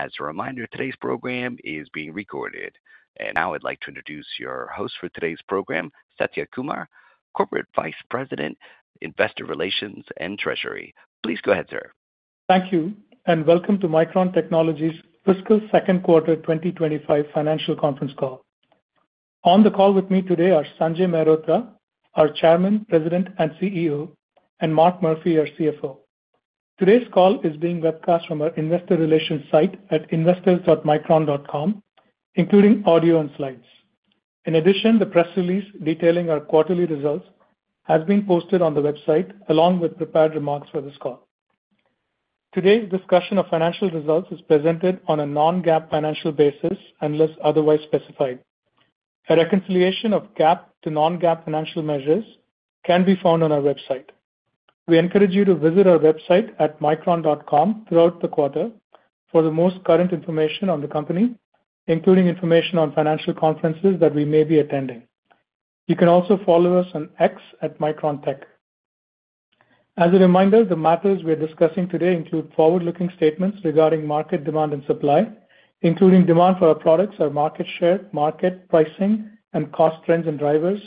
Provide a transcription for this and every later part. As a reminder, today's program is being recorded. Now I'd like to introduce your host for today's program, Satya Kumar, Corporate Vice President, Investor Relations and Treasury. Please go ahead, sir. Thank you. Welcome to Micron Technology's Fiscal Second Quarter 2025 Financial Conference Call. On the call with me today are Sanjay Mehrotra, our Chairman, President, and CEO, and Mark Murphy, our CFO. Today's call is being webcast from our investor relations site at investors.micron.com, including audio and slides. In addition, the press release detailing our quarterly results has been posted on the website, along with prepared remarks for this call. Today's discussion of financial results is presented on a non-GAAP financial basis unless otherwise specified. A reconciliation of GAAP to non-GAAP financial measures can be found on our website. We encourage you to visit our website at micron.com throughout the quarter for the most current information on the company, including information on financial conferences that we may be attending. You can also follow us on X @microntech. As a reminder, the matters we are discussing today include forward-looking statements regarding market demand and supply, including demand for our products, our market share, market pricing, and cost trends and drivers,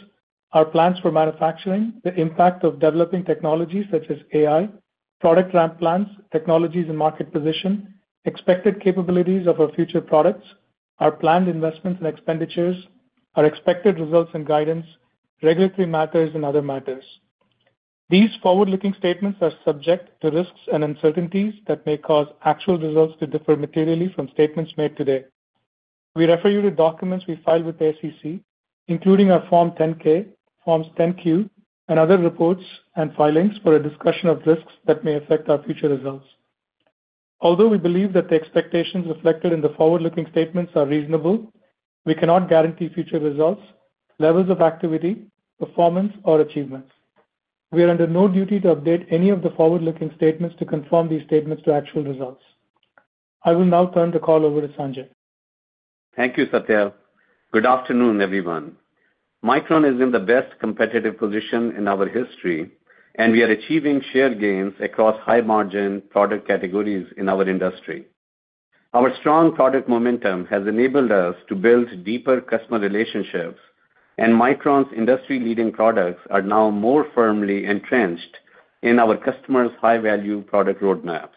our plans for manufacturing, the impact of developing technologies such as AI, product ramp plans, technologies and market position, expected capabilities of our future products, our planned investments and expenditures, our expected results and guidance, regulatory matters, and other matters. These forward-looking statements are subject to risks and uncertainties that may cause actual results to differ materially from statements made today. We refer you to documents we filed with the SEC, including our Form 10-K, Forms 10-Q, and other reports and filings for a discussion of risks that may affect our future results. Although we believe that the expectations reflected in the forward-looking statements are reasonable, we cannot guarantee future results, levels of activity, performance, or achievements. We are under no duty to update any of the forward-looking statements to conform these statements to actual results. I will now turn the call over to Sanjay. Thank you, Satya. Good afternoon, everyone. Micron is in the best competitive position in our history, and we are achieving share gains across high-margin product categories in our industry. Our strong product momentum has enabled us to build deeper customer relationships, and Micron's industry-leading products are now more firmly entrenched in our customers' high-value product roadmaps.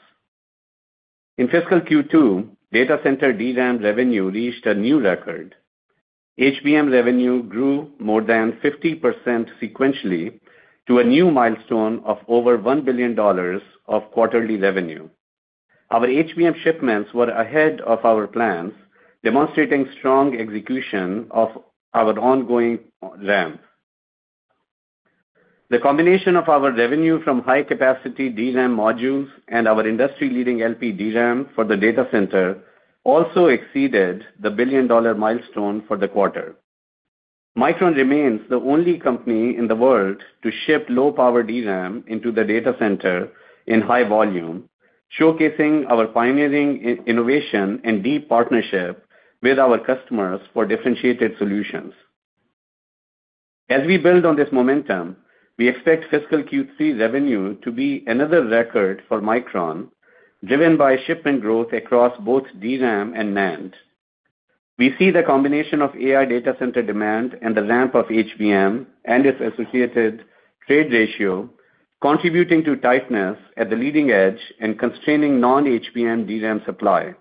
In Fiscal Q2, data center DRAM revenue reached a new record. HBM revenue grew more than 50% sequentially to a new milestone of over $1 billion of quarterly revenue. Our HBM shipments were ahead of our plans, demonstrating strong execution of our ongoing ramp. The combination of our revenue from high-capacity DRAM modules and our industry-leading LP DRAM for the data center also exceeded the billion-dollar milestone for the quarter. Micron remains the only company in the world to ship low-power DRAM into the data center in high volume, showcasing our pioneering innovation and deep partnership with our customers for differentiated solutions. As we build on this momentum, we expect Fiscal Q3 revenue to be another record for Micron, driven by shipment growth across both DRAM and NAND. We see the combination of AI data center demand and the ramp of HBM and its associated trade ratio contributing to tightness at the leading edge and constraining non-HBM DRAM supply.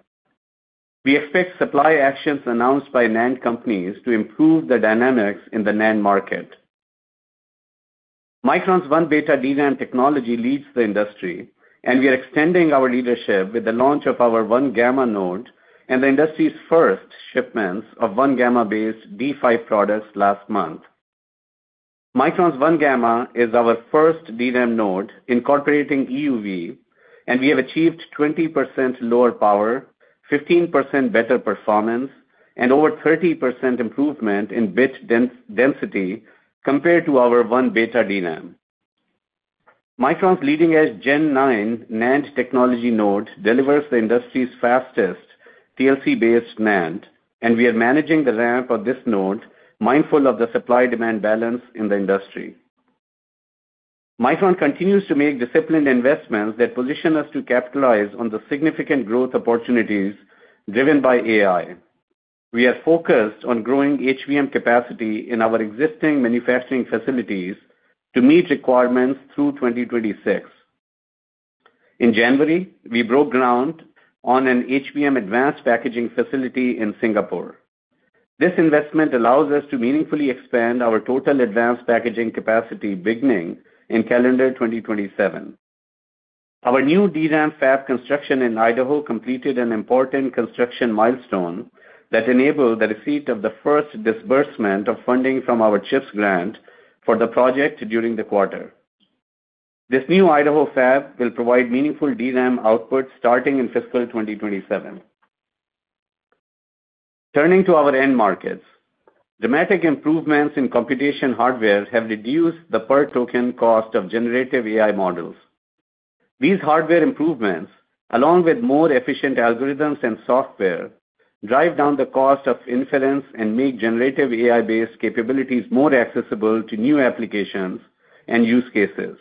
We expect supply actions announced by NAND companies to improve the dynamics in the NAND market. Micron's 1-beta DRAM technology leads the industry, and we are extending our leadership with the launch of our 1-gamma node and the industry's first shipments of 1-gamma-based D5 products last month. Micron's 1-gamma is our first DRAM node incorporating EUV, and we have achieved 20% lower power, 15% better performance, and over 30% improvement in bit density compared to our 1-beta DRAM. Micron's leading-edge Gen9 NAND technology node delivers the industry's fastest TLC-based NAND, and we are managing the ramp of this node, mindful of the supply-demand balance in the industry. Micron continues to make disciplined investments that position us to capitalize on the significant growth opportunities driven by AI. We are focused on growing HBM capacity in our existing manufacturing facilities to meet requirements through 2026. In January, we broke ground on an HBM advanced packaging facility in Singapore. This investment allows us to meaningfully expand our total advanced packaging capacity beginning in calendar 2027. Our new DRAM fab construction in Idaho completed an important construction milestone that enabled the receipt of the first disbursement of funding from our CHIPS grant for the project during the quarter. This new Idaho fab will provide meaningful DRAM output starting in Fiscal 2027. Turning to our end markets, dramatic improvements in computation hardware have reduced the per-token cost of generative AI models. These hardware improvements, along with more efficient algorithms and software, drive down the cost of inference and make generative AI-based capabilities more accessible to new applications and use cases.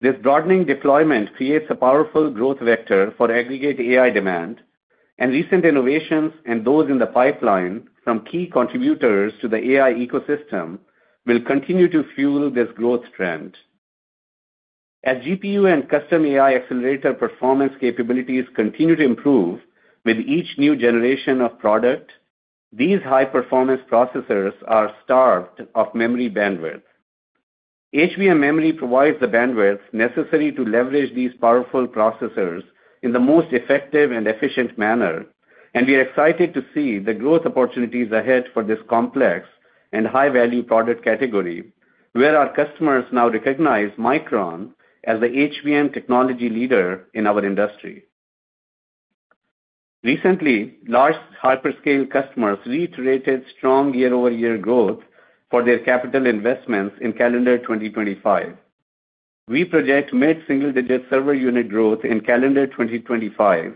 This broadening deployment creates a powerful growth vector for aggregate AI demand, and recent innovations and those in the pipeline from key contributors to the AI ecosystem will continue to fuel this growth trend. As GPU and custom AI accelerator performance capabilities continue to improve with each new generation of product, these high-performance processors are starved of memory bandwidth. HBM memory provides the bandwidth necessary to leverage these powerful processors in the most effective and efficient manner, and we are excited to see the growth opportunities ahead for this complex and high-value product category, where our customers now recognize Micron as the HBM technology leader in our industry. Recently, large hyperscale customers reiterated strong year-over-year growth for their capital investments in calendar 2025. We project mid-single-digit server unit growth in calendar 2025,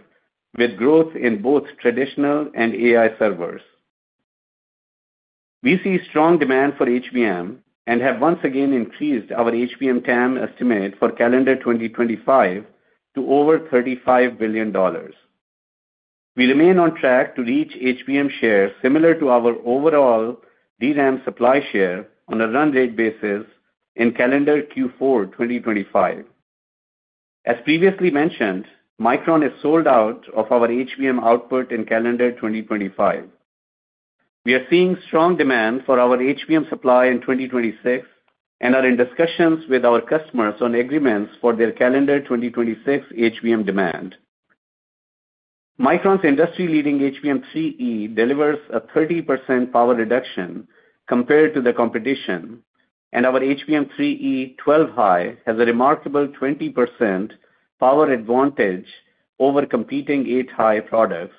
with growth in both traditional and AI servers. We see strong demand for HBM and have once again increased our HBM TAM estimate for calendar 2025 to over $35 billion. We remain on track to reach HBM share similar to our overall DRAM supply share on a run rate basis in calendar Q4 2025. As previously mentioned, Micron is sold out of our HBM output in calendar 2025. We are seeing strong demand for our HBM supply in 2026 and are in discussions with our customers on agreements for their calendar 2026 HBM demand. Micron's industry-leading HBM 3E delivers a 30% power reduction compared to the competition, and our HBM 3E 12 high has a remarkable 20% power advantage over competing 8 high products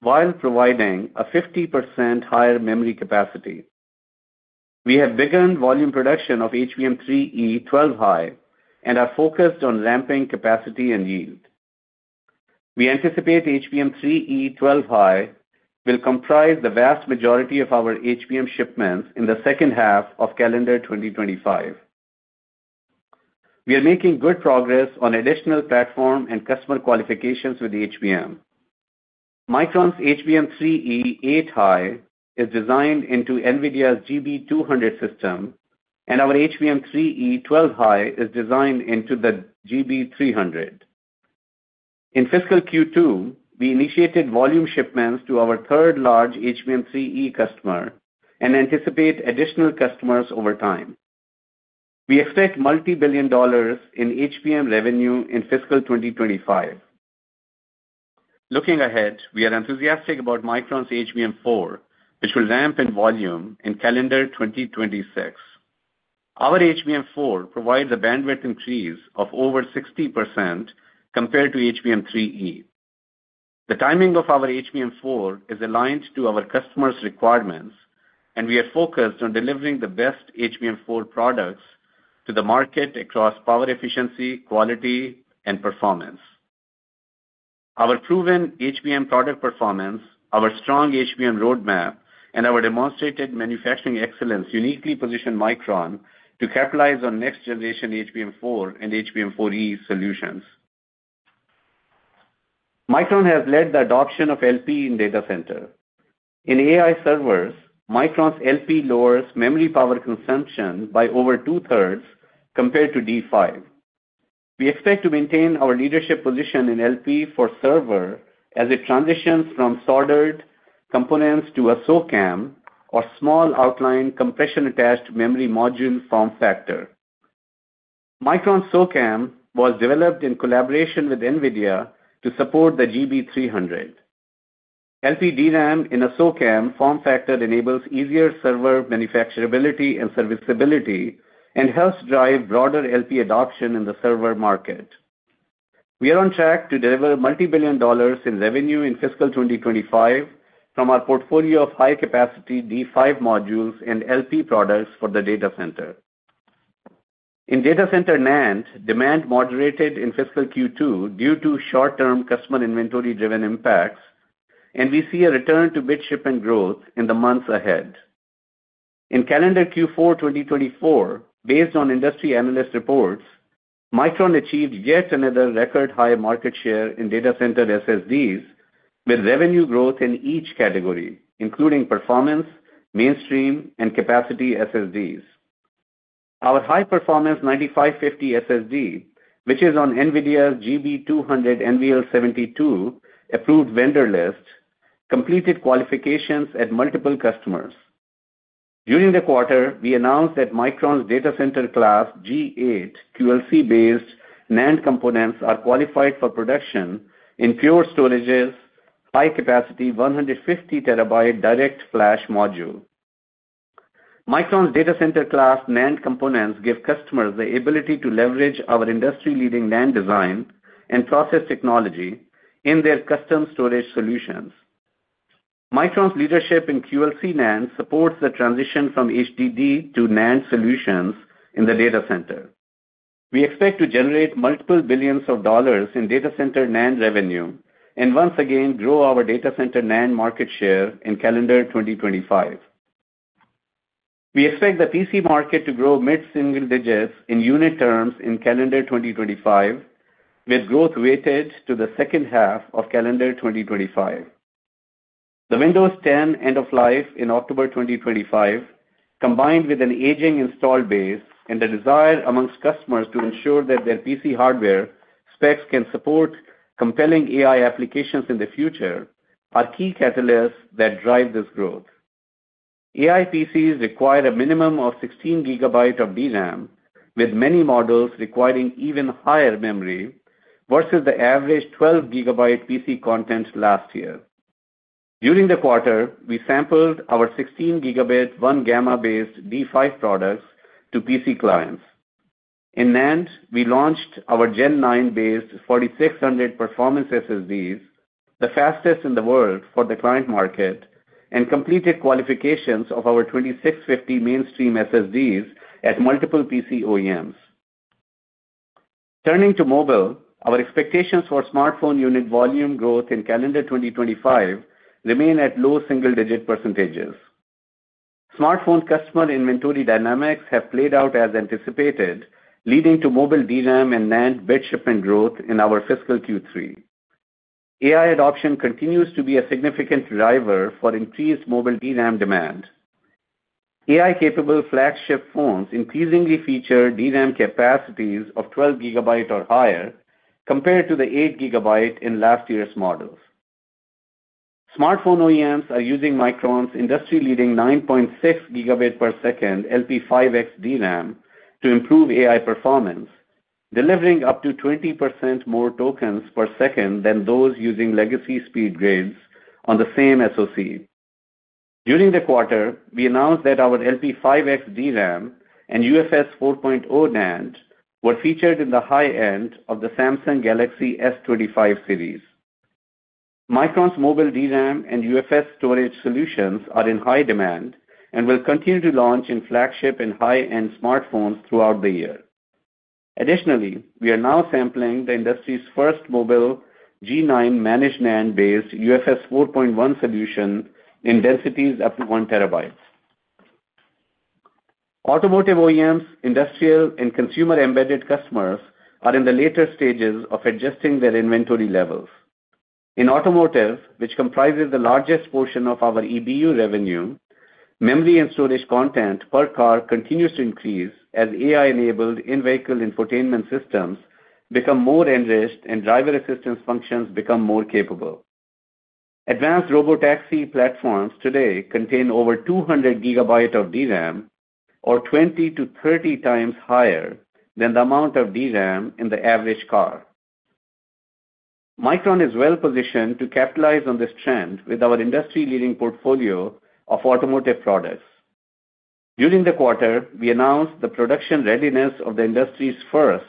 while providing a 50% higher memory capacity. We have begun volume production of HBM 3E 12 high and are focused on ramping capacity and yield. We anticipate HBM 3E 12 high will comprise the vast majority of our HBM shipments in the second half of calendar 2025. We are making good progress on additional platform and customer qualifications with HBM. Micron's HBM 3E 8 high is designed into NVIDIA's GB200 system, and our HBM 3E 12 high is designed into the GB300. In Fiscal Q2, we initiated volume shipments to our third large HBM 3E customer and anticipate additional customers over time. We expect multi-billion dollars in HBM revenue in Fiscal 2025. Looking ahead, we are enthusiastic about Micron's HBM 4, which will ramp in volume in calendar 2026. Our HBM 4 provides a bandwidth increase of over 60% compared to HBM 3E. The timing of our HBM 4 is aligned to our customers' requirements, and we are focused on delivering the best HBM 4 products to the market across power efficiency, quality, and performance. Our proven HBM product performance, our strong HBM roadmap, and our demonstrated manufacturing excellence uniquely position Micron to capitalize on next-generation HBM 4 and HBM 4E solutions. Micron has led the adoption of LP in data center. In AI servers, Micron's LP lowers memory power consumption by over two-thirds compared to D5. We expect to maintain our leadership position in LP for server as it transitions from soldered components to a SoCAM or small outline compression-attached memory module form factor. Micron's SoCAM was developed in collaboration with NVIDIA to support the GB300. LP DRAM in a SoCAM form factor enables easier server manufacturability and serviceability and helps drive broader LP adoption in the server market. We are on track to deliver multi-billion dollars in revenue in Fiscal 2025 from our portfolio of high-capacity D5 modules and LP products for the data center. In data center NAND, demand moderated in Fiscal Q2 due to short-term customer inventory-driven impacts, and we see a return to bit shipment growth in the months ahead. In calendar Q4 2024, based on industry analyst reports, Micron achieved yet another record-high market share in data center SSDs with revenue growth in each category, including performance, mainstream, and capacity SSDs. Our high-performance 9550 SSD, which is on NVIDIA's GB200 NVL72 approved vendor list, completed qualifications at multiple customers. During the quarter, we announced that Micron's data center class G8 QLC-based NAND components are qualified for production in Pure Storage's high-capacity 150 terabyte Direct Flash Module. Micron's data center class NAND components give customers the ability to leverage our industry-leading NAND design and process technology in their custom storage solutions. Micron's leadership in QLC NAND supports the transition from HDD to NAND solutions in the data center. We expect to generate multiple billions of dollars in data center NAND revenue and once again grow our data center NAND market share in calendar 2025. We expect the PC market to grow mid-single digits in unit terms in calendar 2025, with growth weighted to the second half of calendar 2025. The Windows 10 end-of-life in October 2025, combined with an aging install base and the desire amongst customers to ensure that their PC hardware specs can support compelling AI applications in the future, are key catalysts that drive this growth. AI PCs require a minimum of 16 gigabyte of DRAM, with many models requiring even higher memory versus the average 12 gigabyte PC content last year. During the quarter, we sampled our 16-gigabit 1-gamma-based D5 products to PC clients. In NAND, we launched our Gen9-based 4600 performance SSDs, the fastest in the world for the client market, and completed qualifications of our 2650 mainstream SSDs at multiple PC OEMs. Turning to mobile, our expectations for smartphone unit volume growth in calendar 2025 remain at low single-digit percentages. Smartphone customer inventory dynamics have played out as anticipated, leading to mobile DRAM and NAND bit shipment growth in our Fiscal Q3. AI adoption continues to be a significant driver for increased mobile DRAM demand. AI-capable flagship phones increasingly feature DRAM capacities of 12 gigabyte or higher compared to the 8 gigabyte in last year's models. Smartphone OEMs are using Micron's industry-leading 9.6 gigabit per second LP5X DRAM to improve AI performance, delivering up to 20% more tokens per second than those using legacy speed grades on the same SoC. During the quarter, we announced that our LP5X DRAM and UFS 4.0 NAND were featured in the high-end of the Samsung Galaxy S25 series. Micron's mobile DRAM and UFS storage solutions are in high demand and will continue to launch in flagship and high-end smartphones throughout the year. Additionally, we are now sampling the industry's first mobile Gen9 managed NAND-based UFS 4.1 solution in densities up to 1 terabyte. Automotive OEMs, industrial, and consumer embedded customers are in the later stages of adjusting their inventory levels. In automotive, which comprises the largest portion of our EBU revenue, memory and storage content per car continues to increase as AI-enabled in-vehicle infotainment systems become more enriched and driver assistance functions become more capable. Advanced robotaxi platforms today contain over 200 gigabyte of DRAM, or 20-30 times higher than the amount of DRAM in the average car. Micron is well positioned to capitalize on this trend with our industry-leading portfolio of automotive products. During the quarter, we announced the production readiness of the industry's first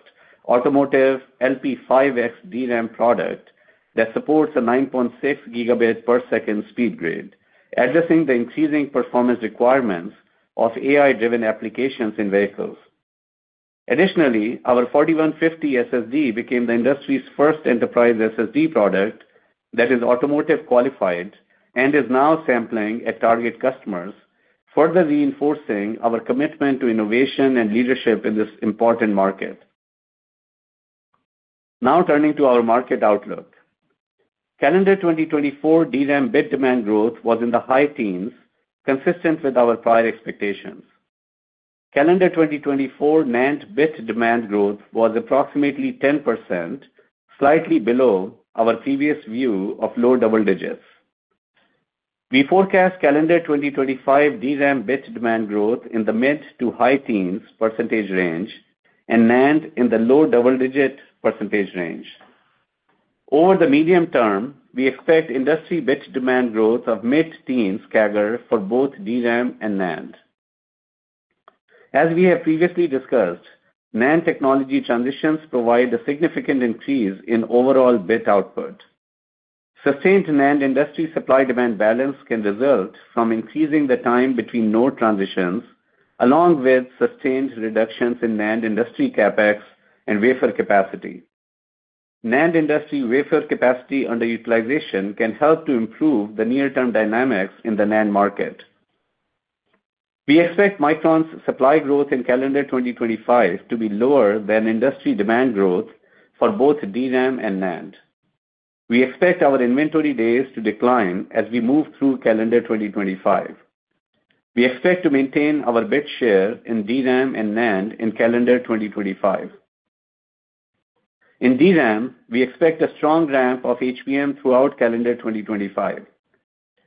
automotive LP5X DRAM product that supports a 9.6 gigabit per second speed grade, addressing the increasing performance requirements of AI-driven applications in vehicles. Additionally, our 4150 SSD became the industry's first enterprise SSD product that is automotive qualified and is now sampling at target customers, further reinforcing our commitment to innovation and leadership in this important market. Now turning to our market outlook, calendar 2024 DRAM bit demand growth was in the high teens, consistent with our prior expectations. Calendar 2024 NAND bit demand growth was approximately 10%, slightly below our previous view of low double digits. We forecast calendar 2025 DRAM bit demand growth in the mid to high teens percentage range and NAND in the low double digit percentage range. Over the medium term, we expect industry bit demand growth of mid teens CAGR for both DRAM and NAND. As we have previously discussed, NAND technology transitions provide a significant increase in overall bit output. Sustained NAND industry supply-demand balance can result from increasing the time between node transitions, along with sustained reductions in NAND industry CapEx and wafer capacity. NAND industry wafer capacity underutilization can help to improve the near-term dynamics in the NAND market. We expect Micron's supply growth in calendar 2025 to be lower than industry demand growth for both DRAM and NAND. We expect our inventory days to decline as we move through calendar 2025. We expect to maintain our bit share in DRAM and NAND in calendar 2025. In DRAM, we expect a strong ramp of HBM throughout calendar 2025.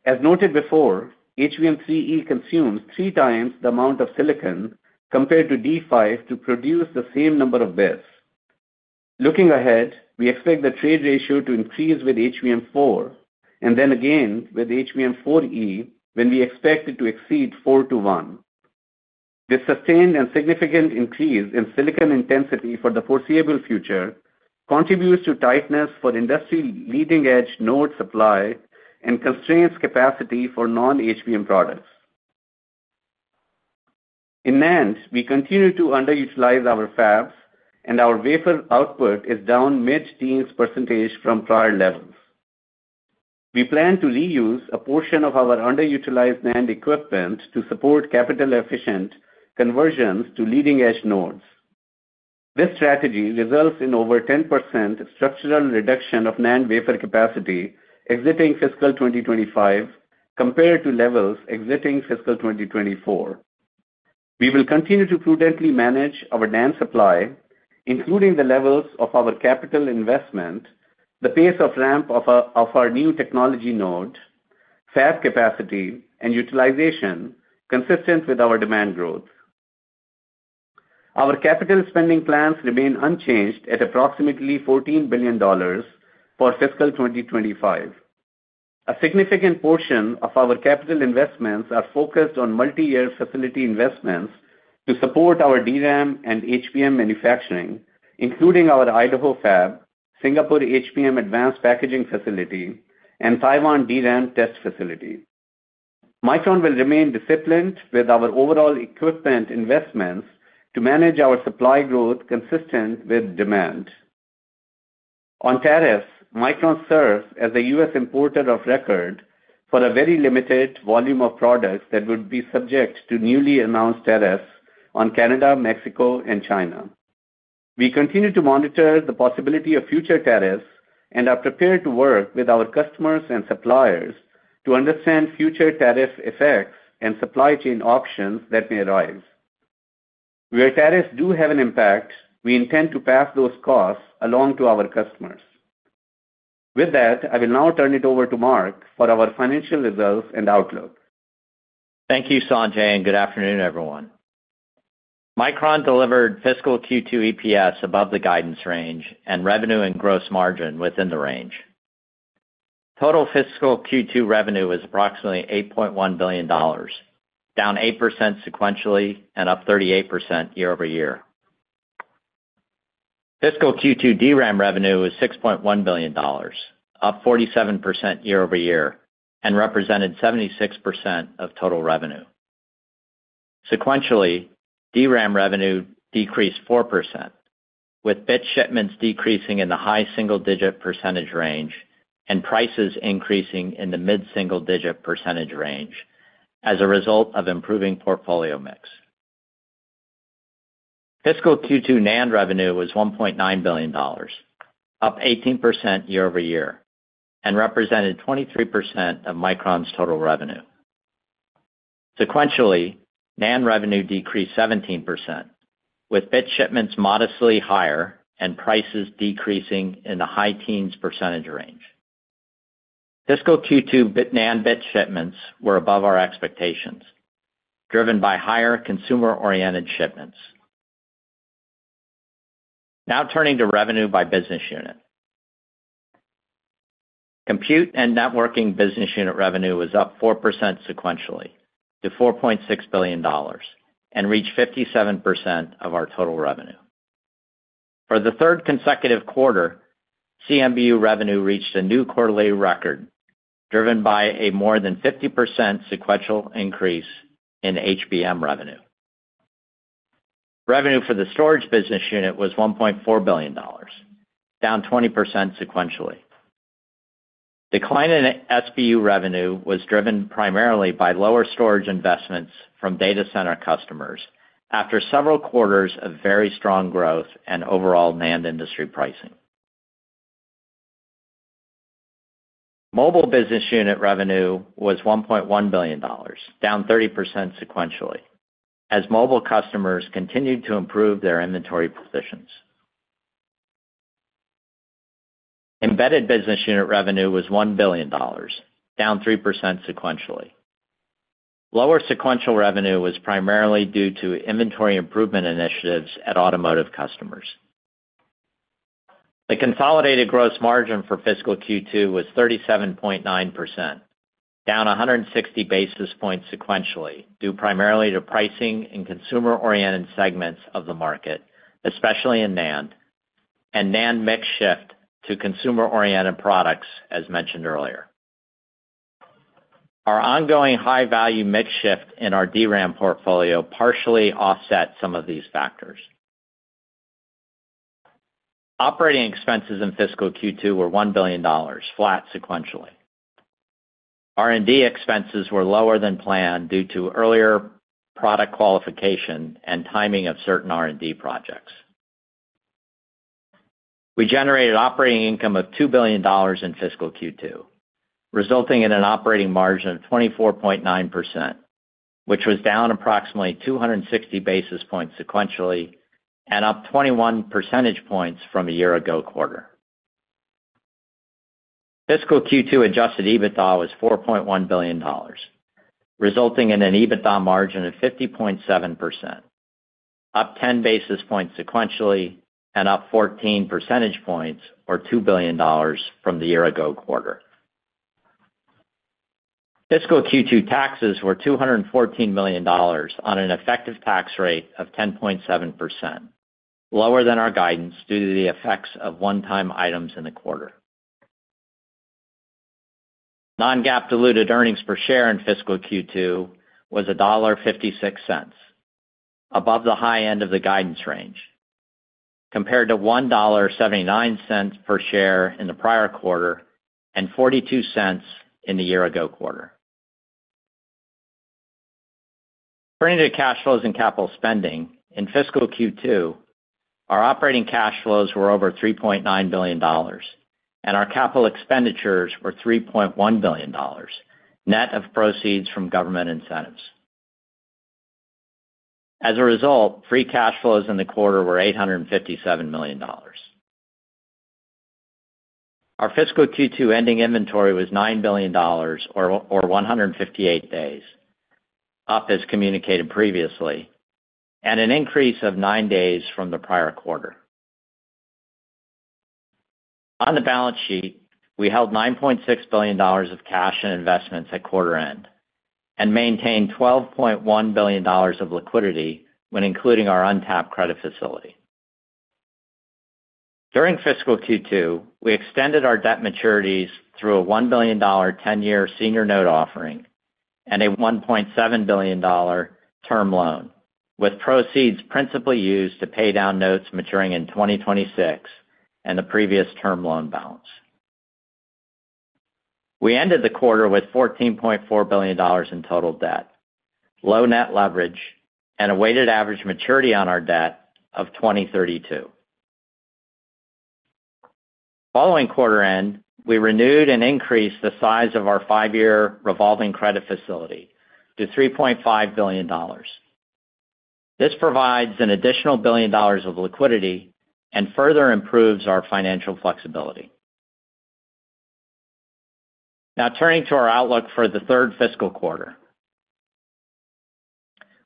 As noted before, HBM 3E consumes three times the amount of silicon compared to D5 to produce the same number of bits. Looking ahead, we expect the trade ratio to increase with HBM 4 and then again with HBM 4E when we expect it to exceed 4 to 1. This sustained and significant increase in silicon intensity for the foreseeable future contributes to tightness for industry-leading-edge node supply and constrains capacity for non-HBM products. In NAND, we continue to underutilize our fabs, and our wafer output is down mid-teens % from prior levels. We plan to reuse a portion of our underutilized NAND equipment to support capital-efficient conversions to leading-edge nodes. This strategy results in over 10% structural reduction of NAND wafer capacity exiting Fiscal 2025 compared to levels exiting Fiscal 2024. We will continue to prudently manage our NAND supply, including the levels of our capital investment, the pace of ramp of our new technology node, fab capacity, and utilization consistent with our demand growth. Our capital spending plans remain unchanged at approximately $14 billion for Fiscal 2025. A significant portion of our capital investments are focused on multi-year facility investments to support our DRAM and HBM manufacturing, including our Idaho fab, Singapore HBM advanced packaging facility, and Taiwan DRAM test facility. Micron will remain disciplined with our overall equipment investments to manage our supply growth consistent with demand. On tariffs, Micron serves as a U.S. importer of record for a very limited volume of products that would be subject to newly announced tariffs on Canada, Mexico, and China. We continue to monitor the possibility of future tariffs and are prepared to work with our customers and suppliers to understand future tariff effects and supply chain options that may arise. Where tariffs do have an impact, we intend to pass those costs along to our customers. With that, I will now turn it over to Mark for our financial results and outlook. Thank you, Sanjay, and good afternoon, everyone. Micron delivered Fiscal Q2 EPS above the guidance range and revenue and gross margin within the range. Total Fiscal Q2 revenue is approximately $8.1 billion, down 8% sequentially and up 38% year over year. Fiscal Q2 DRAM revenue is $6.1 billion, up 47% year over year, and represented 76% of total revenue. Sequentially, DRAM revenue decreased 4%, with bit shipments decreasing in the high single-digit percentage range and prices increasing in the mid-single-digit percentage range as a result of improving portfolio mix. Fiscal Q2 NAND revenue was $1.9 billion, up 18% year over year, and represented 23% of Micron's total revenue. Sequentially, NAND revenue decreased 17%, with bit shipments modestly higher and prices decreasing in the high teens percentage range. Fiscal Q2 NAND bit shipments were above our expectations, driven by higher consumer-oriented shipments. Now turning to revenue by business unit. Compute and networking business unit revenue was up 4% sequentially to $4.6 billion and reached 57% of our total revenue. For the third consecutive quarter, CMBU revenue reached a new quarterly record, driven by a more than 50% sequential increase in HBM revenue. Revenue for the storage business unit was $1.4 billion, down 20% sequentially. Decline in SBU revenue was driven primarily by lower storage investments from data center customers after several quarters of very strong growth and overall NAND industry pricing. Mobile business unit revenue was $1.1 billion, down 30% sequentially, as mobile customers continued to improve their inventory positions. Embedded business unit revenue was $1 billion, down 3% sequentially. Lower sequential revenue was primarily due to inventory improvement initiatives at automotive customers. The consolidated gross margin for Fiscal Q2 was 37.9%, down 160 basis points sequentially, due primarily to pricing and consumer-oriented segments of the market, especially in NAND, and NAND mix shift to consumer-oriented products, as mentioned earlier. Our ongoing high-value mix shift in our DRAM portfolio partially offsets some of these factors. Operating expenses in Fiscal Q2 were $1 billion, flat sequentially. R&D expenses were lower than planned due to earlier product qualification and timing of certain R&D projects. We generated operating income of $2 billion in Fiscal Q2, resulting in an operating margin of 24.9%, which was down approximately 260 basis points sequentially and up 21 percentage points from a year ago quarter. Fiscal Q2 adjusted EBITDA was $4.1 billion, resulting in an EBITDA margin of 50.7%, up 10 basis points sequentially and up 14 percentage points, or $2 billion, from the year ago quarter. Fiscal Q2 taxes were $214 million on an effective tax rate of 10.7%, lower than our guidance due to the effects of one-time items in the quarter. Non-GAAP diluted earnings per share in Fiscal Q2 was $1.56, above the high end of the guidance range, compared to $1.79 per share in the prior quarter and $0.42 in the year ago quarter. Turning to cash flows and capital spending, in Fiscal Q2, our operating cash flows were over $3.9 billion, and our capital expenditures were $3.1 billion, net of proceeds from government incentives. As a result, free cash flows in the quarter were $857 million. Our Fiscal Q2 ending inventory was $9 billion, or 158 days, up as communicated previously, and an increase of 9 days from the prior quarter. On the balance sheet, we held $9.6 billion of cash and investments at quarter end and maintained $12.1 billion of liquidity when including our untapped credit facility. During Fiscal Q2, we extended our debt maturities through a $1 billion 10-year senior note offering and a $1.7 billion term loan, with proceeds principally used to pay down notes maturing in 2026 and the previous term loan balance. We ended the quarter with $14.4 billion in total debt, low net leverage, and a weighted average maturity on our debt of 2032. Following quarter end, we renewed and increased the size of our five-year revolving credit facility to $3.5 billion. This provides an additional $1 billion of liquidity and further improves our financial flexibility. Now turning to our outlook for the third fiscal quarter.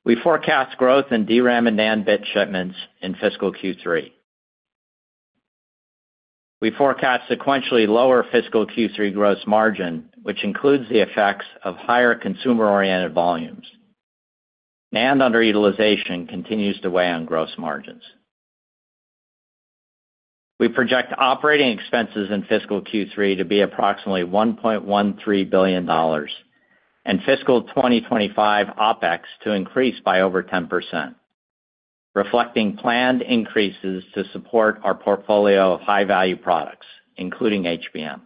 We forecast growth in DRAM and NAND bit shipments in Fiscal Q3. We forecast sequentially lower Fiscal Q3 gross margin, which includes the effects of higher consumer-oriented volumes. NAND underutilization continues to weigh on gross margins. We project operating expenses in Fiscal Q3 to be approximately $1.13 billion and Fiscal 2025 OPEX to increase by over 10%, reflecting planned increases to support our portfolio of high-value products, including HBM.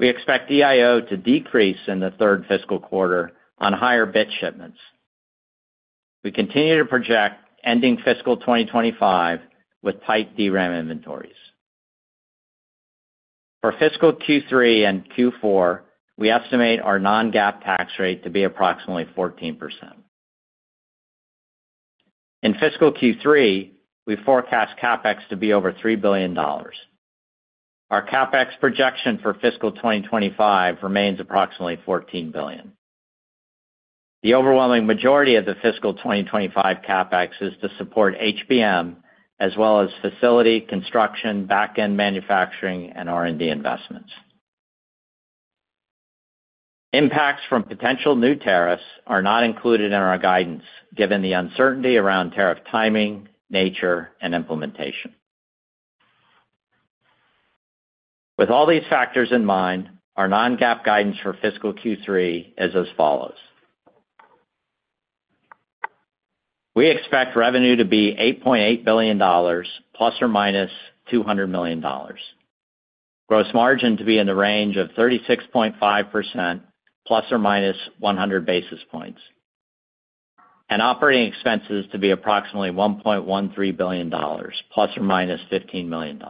We expect DIO to decrease in the third fiscal quarter on higher bit shipments. We continue to project ending Fiscal 2025 with tight DRAM inventories. For Fiscal Q3 and Q4, we estimate our non-GAAP tax rate to be approximately 14%. In Fiscal Q3, we forecast CapEx to be over $3 billion. Our CapEx projection for Fiscal 2025 remains approximately $14 billion. The overwhelming majority of the Fiscal 2025 CapEx is to support HBM, as well as facility, construction, back-end manufacturing, and R&D investments. Impacts from potential new tariffs are not included in our guidance, given the uncertainty around tariff timing, nature, and implementation. With all these factors in mind, our non-GAAP guidance for Fiscal Q3 is as follows. We expect revenue to be $8.8 billion, plus or minus $200 million. Gross margin to be in the range of 36.5%, plus or minus 100 basis points. Operating expenses to be approximately $1.13 billion, plus or minus $15 million.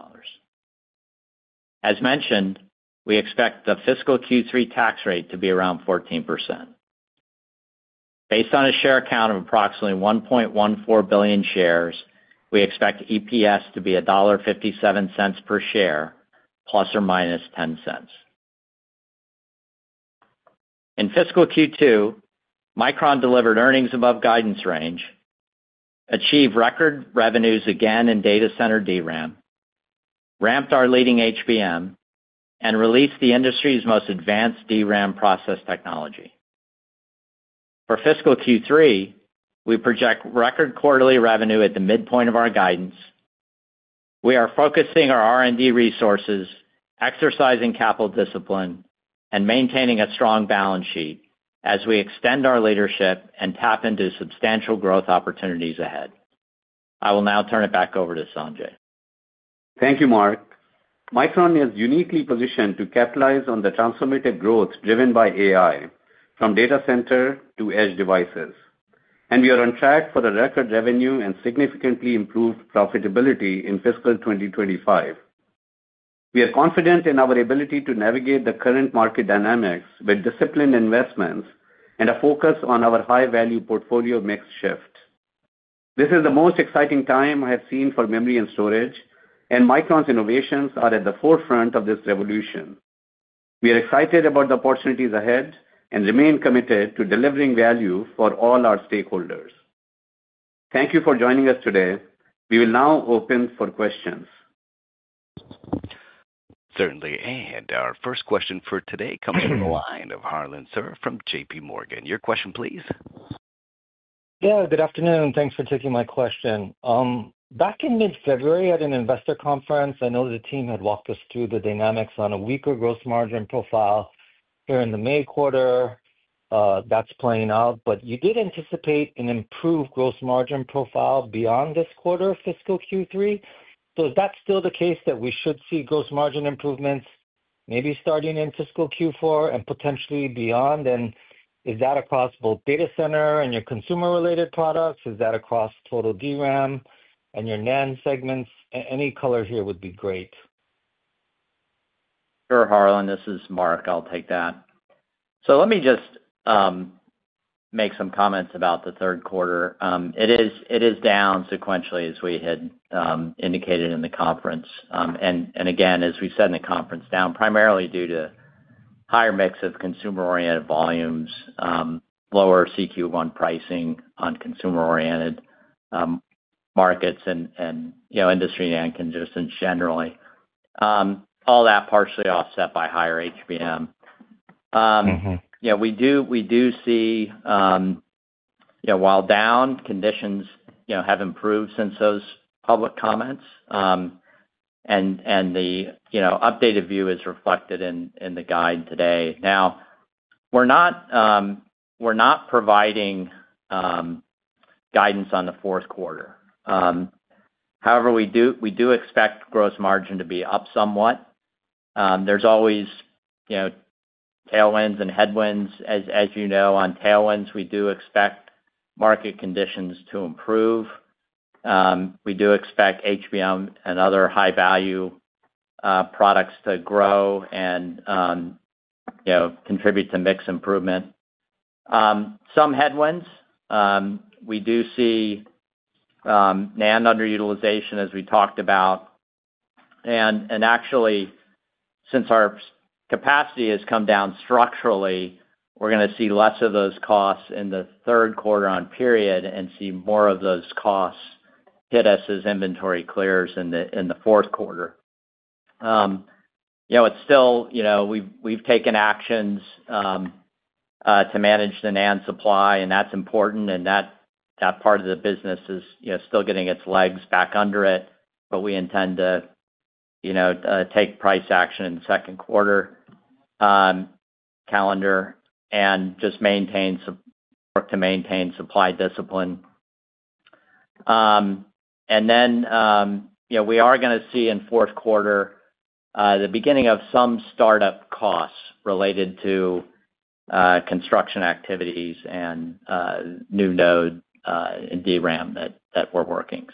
As mentioned, we expect the Fiscal Q3 tax rate to be around 14%. Based on a share count of approximately 1.14 billion shares, we expect EPS to be $1.57 per share, plus or minus $0.10. In Fiscal Q2, Micron delivered earnings above guidance range, achieved record revenues again in data center DRAM, ramped our leading HBM, and released the industry's most advanced DRAM process technology. For Fiscal Q3, we project record quarterly revenue at the midpoint of our guidance. We are focusing our R&D resources, exercising capital discipline, and maintaining a strong balance sheet as we extend our leadership and tap into substantial growth opportunities ahead. I will now turn it back over to Sanjay. Thank you, Mark. Micron is uniquely positioned to capitalize on the transformative growth driven by AI from data center to edge devices, and we are on track for a record revenue and significantly improved profitability in Fiscal 2025. We are confident in our ability to navigate the current market dynamics with disciplined investments and a focus on our high-value portfolio mix shift. This is the most exciting time I have seen for memory and storage, and Micron's innovations are at the forefront of this revolution. We are excited about the opportunities ahead and remain committed to delivering value for all our stakeholders. Thank you for joining us today. We will now open for questions. Certainly. Our first question for today comes from the line of Harlan Sur from J.P. Morgan. Your question, please. Yeah, good afternoon. Thanks for taking my question. Back in mid-February at an investor conference, I know the team had walked us through the dynamics on a weaker gross margin profile here in the May quarter. That is playing out. You did anticipate an improved gross margin profile beyond this quarter of Fiscal Q3. Is that still the case that we should see gross margin improvements, maybe starting in Fiscal Q4 and potentially beyond? Is that across both data center and your consumer-related products? Is that across total DRAM and your NAND segments? Any color here would be great. Sure, Harlan. This is Mark. I will take that. Let me just make some comments about the third quarter. It is down sequentially, as we had indicated in the conference. As we said in the conference, down primarily due to higher mix of consumer-oriented volumes, lower CQ1 pricing on consumer-oriented markets, and industry NAND consistency generally. All that partially offset by higher HBM. We do see while down, conditions have improved since those public comments, and the updated view is reflected in the guide today. Now, we're not providing guidance on the fourth quarter. However, we do expect gross margin to be up somewhat. There's always tailwinds and headwinds. As you know, on tailwinds, we do expect market conditions to improve. We do expect HBM and other high-value products to grow and contribute to mix improvement. Some headwinds. We do see NAND underutilization, as we talked about. Actually, since our capacity has come down structurally, we're going to see less of those costs in the third quarter period and see more of those costs hit us as inventory clears in the fourth quarter. It's still, we've taken actions to manage the NAND supply, and that's important. That part of the business is still getting its legs back under it, but we intend to take price action in the second quarter calendar and just work to maintain supply discipline. We are going to see in fourth quarter the beginning of some startup costs related to construction activities and new node DRAM that we're working.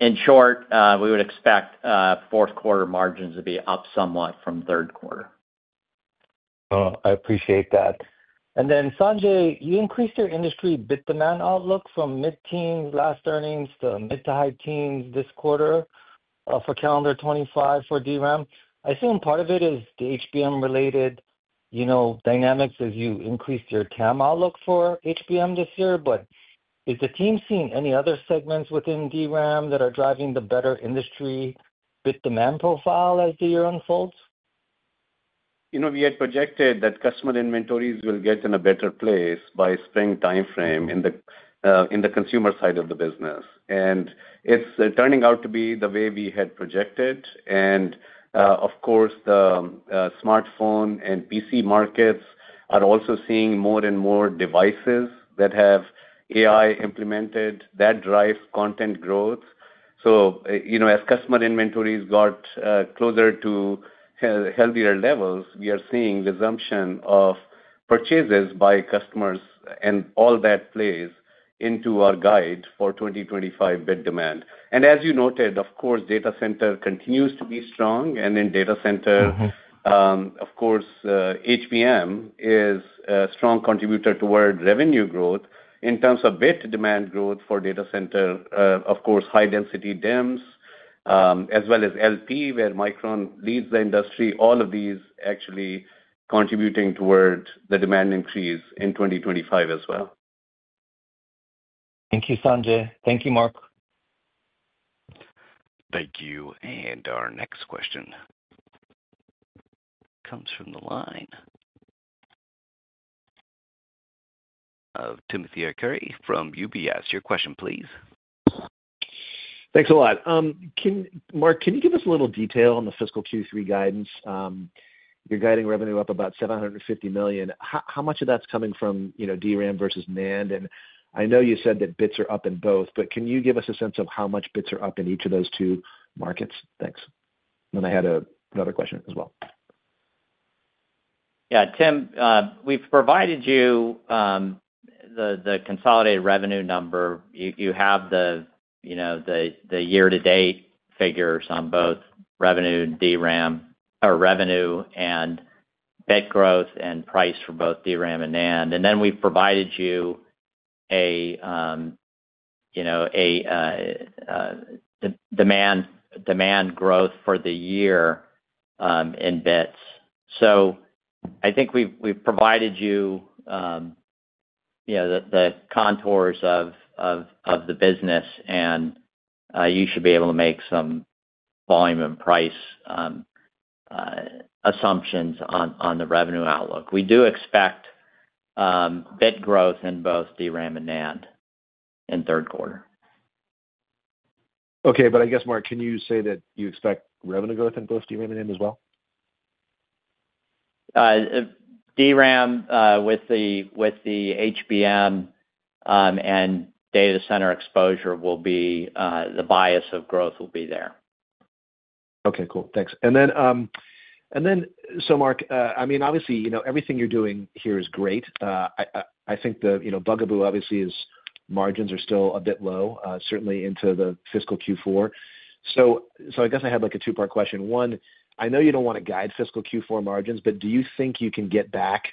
In short, we would expect fourth quarter margins to be up somewhat from third quarter. I appreciate that. Sanjay, you increased your industry bit demand outlook from mid-teens, last earnings to mid to high teens this quarter for calendar 2025 for DRAM. I assume part of it is the HBM-related dynamics as you increased your TAM outlook for HBM this year. Is the team seeing any other segments within DRAM that are driving the better industry bit demand profile as the year unfolds? We had projected that customer inventories will get in a better place by spring timeframe in the consumer side of the business. It is turning out to be the way we had projected. The smartphone and PC markets are also seeing more and more devices that have AI implemented that drives content growth. As customer inventories got closer to healthier levels, we are seeing resumption of purchases by customers, and all that plays into our guide for 2025 bit demand. As you noted, of course, data center continues to be strong. In data center, HBM is a strong contributor toward revenue growth. In terms of bit demand growth for data center, high-density DIMMs, as well as LP, where Micron leads the industry, all of these actually contributing toward the demand increase in 2025 as well. Thank you, Sanjay. Thank you, Mark. Thank you. Our next question comes from the line of Timothy Arcuri from UBS. Your question, please. Thanks a lot. Mark, can you give us a little detail on the fiscal Q3 guidance? You're guiding revenue up about $750 million. How much of that's coming from DRAM versus NAND? I know you said that bits are up in both, but can you give us a sense of how much bits are up in each of those two markets? Thanks. I had another question as well. Yeah, Tim, we've provided you the consolidated revenue number. You have the year-to-date figures on both revenue and DRAM, or revenue and bit growth and price for both DRAM and NAND. We've provided you a demand growth for the year in bits. I think we've provided you the contours of the business, and you should be able to make some volume and price assumptions on the revenue outlook. We do expect bit growth in both DRAM and NAND in third quarter. Okay. I guess, Mark, can you say that you expect revenue growth in both DRAM and NAND as well? DRAM with the HBM and data center exposure will be the bias of growth will be there. Okay. Cool. Thanks. I mean, obviously, everything you're doing here is great. I think the bugaboo obviously is margins are still a bit low, certainly into the fiscal Q4. I guess I have a two-part question. One, I know you don't want to guide fiscal Q4 margins, but do you think you can get back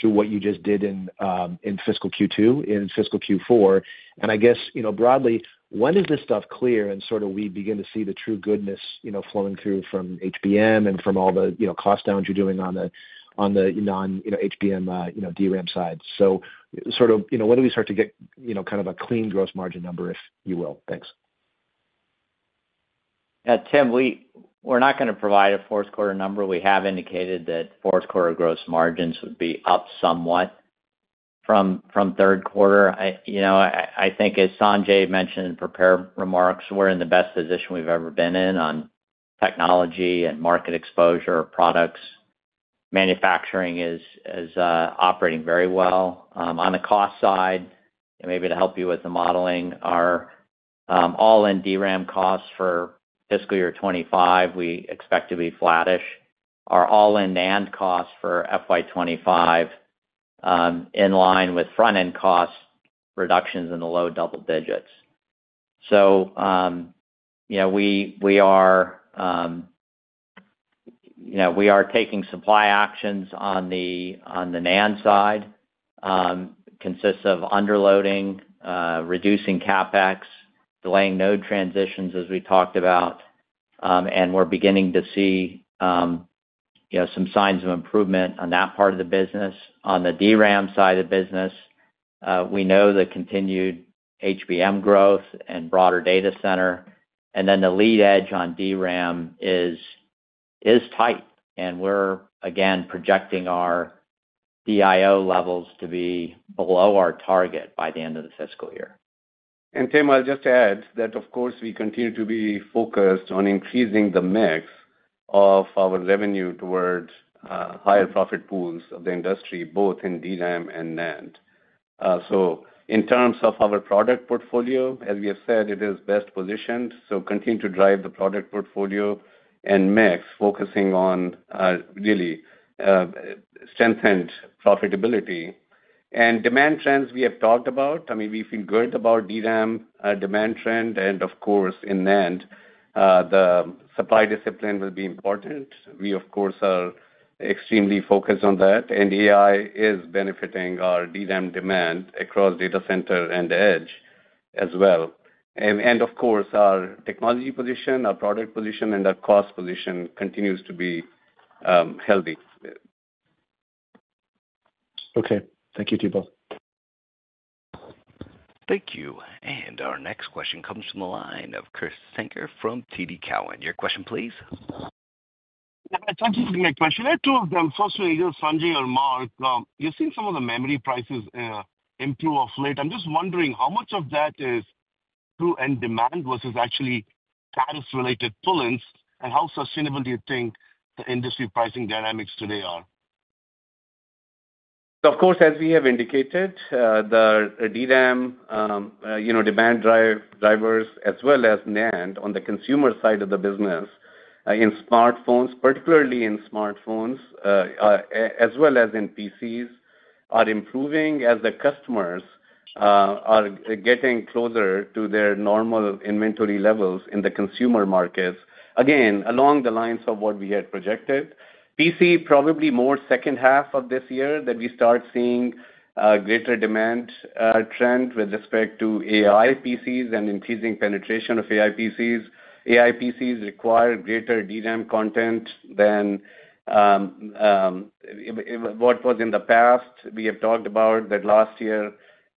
to what you just did in fiscal Q2? In fiscal Q4, and I guess broadly, when is this stuff clear and sort of we begin to see the true goodness flowing through from HBM and from all the cost downs you're doing on the non-HBM DRAM side? Sort of when do we start to get kind of a clean gross margin number, if you will? Thanks. Yeah, Tim, we're not going to provide a fourth quarter number. We have indicated that fourth quarter gross margins would be up somewhat from third quarter. I think, as Sanjay mentioned in prepared remarks, we're in the best position we've ever been in on technology and market exposure, products, manufacturing is operating very well. On the cost side, maybe to help you with the modeling, our all-in DRAM costs for fiscal year 2025, we expect to be flattish. Our all-in NAND costs for fiscal year 2025, in line with front-end cost reductions in the low double digits. We are taking supply actions on the NAND side, consists of underloading, reducing CapEx, delaying node transitions, as we talked about. We're beginning to see some signs of improvement on that part of the business. On the DRAM side of the business, we know the continued HBM growth and broader data center. The lead edge on DRAM is tight. We are, again, projecting our DIO levels to be below our target by the end of the fiscal year. Tim, I'll just add that, of course, we continue to be focused on increasing the mix of our revenue toward higher profit pools of the industry, both in DRAM and NAND. In terms of our product portfolio, as we have said, it is best positioned. We continue to drive the product portfolio and mix, focusing on really strengthened profitability. Demand trends we have talked about. I mean, we feel good about DRAM demand trend. Of course, in NAND, the supply discipline will be important. We are extremely focused on that. AI is benefiting our DRAM demand across data center and edge as well. Of course, our technology position, our product position, and our cost position continues to be healthy. Thank you to you both. Thank you. Our next question comes from the line of Krish Sankar from TD Cowen. Your question, please. Yeah, thank you for the question. Two of them. Firstly, either Sanjay or Mark, you've seen some of the memory prices improve of late. I'm just wondering how much of that is true end demand versus actually tariff-related pullings, and how sustainable do you think the industry pricing dynamics today are? Of course, as we have indicated, the DRAM demand drivers, as well as NAND on the consumer side of the business, in smartphones, particularly in smartphones, as well as in PCs, are improving as the customers are getting closer to their normal inventory levels in the consumer markets. Again, along the lines of what we had projected, PC, probably more second half of this year that we start seeing a greater demand trend with respect to AI PCs and increasing penetration of AI PCs. AI PCs require greater DRAM content than what was in the past. We have talked about that last year,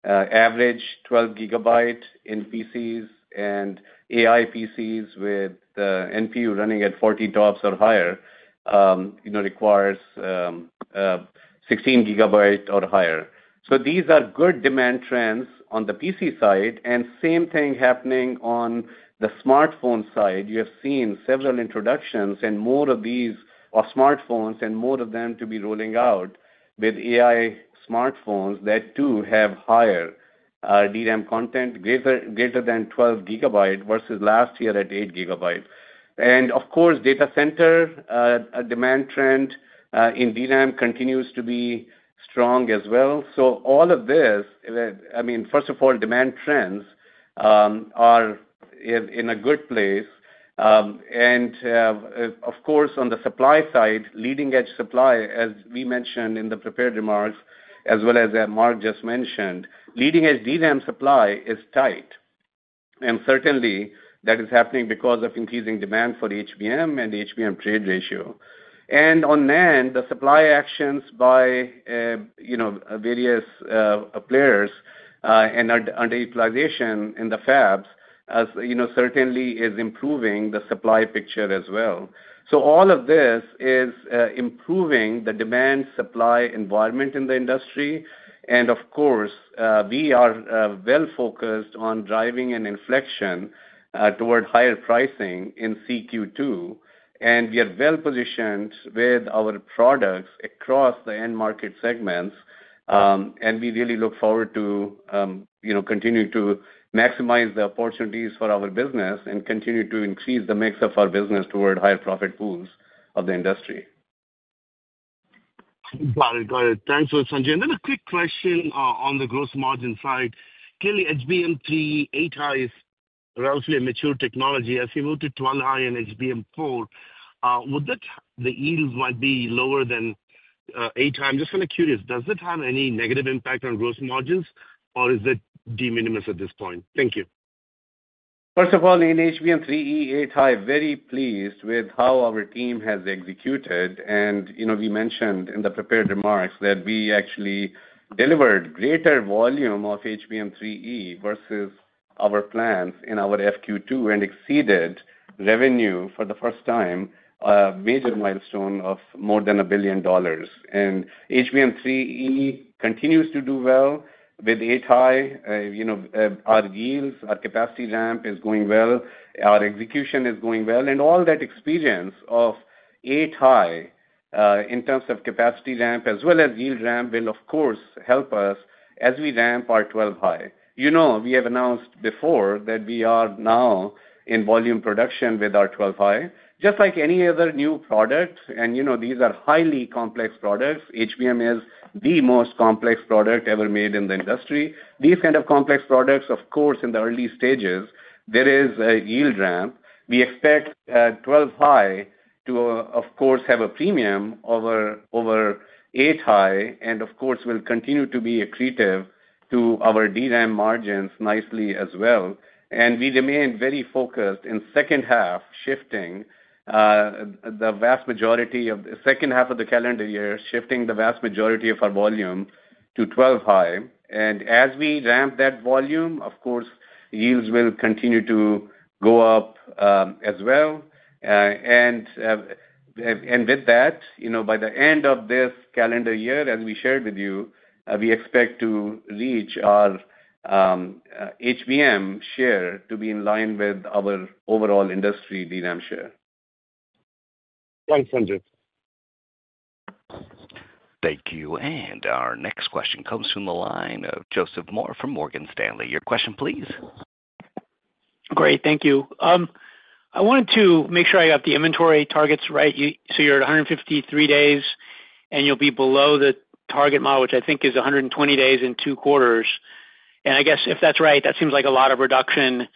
average 12 gigabyte in PCs and AI PCs with the NPU running at 40 tops or higher requires 16 gigabyte or higher. These are good demand trends on the PC side. Same thing happening on the smartphone side. You have seen several introductions and more of these smartphones and more of them to be rolling out with AI smartphones that too have higher DRAM content, greater than 12 gigabyte versus last year at 8 gigabyte. Of course, data center demand trend in DRAM continues to be strong as well. All of this, I mean, first of all, demand trends are in a good place. Of course, on the supply side, leading-edge supply, as we mentioned in the prepared remarks, as well as Mark just mentioned, leading-edge DRAM supply is tight. Certainly, that is happening because of increasing demand for HBM and HBM trade ratio. On NAND, the supply actions by various players and underutilization in the fabs certainly is improving the supply picture as well. All of this is improving the demand supply environment in the industry. Of course, we are well focused on driving an inflection toward higher pricing in CQ2. We are well positioned with our products across the end market segments. We really look forward to continuing to maximize the opportunities for our business and continue to increase the mix of our business toward higher profit pools of the industry. Got it. Got it. Thanks for that, Sanjay. A quick question on the gross margin side. Clearly, HBM3, 8-high is relatively a mature technology. As we move to 12-high and HBM4, would that—the yield might be lower than 8-high. I'm just kind of curious. Does it have any negative impact on gross margins, or is it de minimis at this point? Thank you. First of all, in HBM3E, 8-high, very pleased with how our team has executed. We mentioned in the prepared remarks that we actually delivered greater volume of HBM3E versus our plans in our FQ2 and exceeded revenue for the first time, a major milestone of more than $1 billion. HBM3E continues to do well with 8-high. Our yields, our capacity ramp is going well. Our execution is going well. All that experience of 8-high in terms of capacity ramp as well as yield ramp will, of course, help us as we ramp our 12-high. We have announced before that we are now in volume production with our 12-high. Just like any other new product, and these are highly complex products. HBM is the most complex product ever made in the industry. These kind of complex products, of course, in the early stages, there is a yield ramp. We expect 12-high to, of course, have a premium over 8-high and, of course, will continue to be accretive to our DRAM margins nicely as well. We remain very focused in second half, shifting the vast majority of the second half of the calendar year, shifting the vast majority of our volume to 12i. As we ramp that volume, of course, yields will continue to go up as well. With that, by the end of this calendar year, as we shared with you, we expect to reach our HBM share to be in line with our overall industry DRAM share. Thanks, Sanjay. Thank you. Our next question comes from the line of Joseph Moore from Morgan Stanley. Your question, please. Great. Thank you. I wanted to make sure I got the inventory targets right. You are at 153 days, and you will be below the target model, which I think is 120 days in two quarters. I guess if that is right, that seems like a lot of reduction.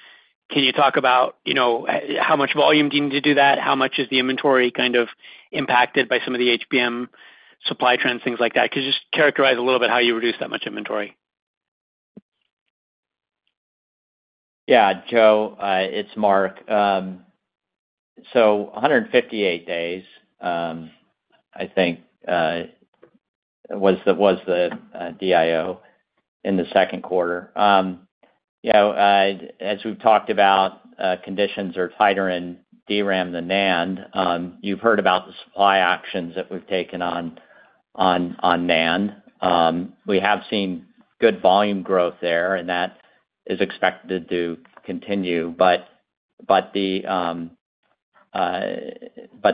Can you talk about how much volume do you need to do that? How much is the inventory kind of impacted by some of the HBM supply trends, things like that? Could you just characterize a little bit how you reduce that much inventory? Yeah, Joe, it's Mark. 158 days, I think, was the DIO in the second quarter. As we've talked about, conditions are tighter in DRAM than NAND. You've heard about the supply actions that we've taken on NAND. We have seen good volume growth there, and that is expected to continue.